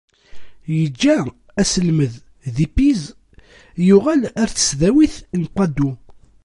Iǧǧa aselmed di Pise, yuɣal ar tesdawit n Padoue.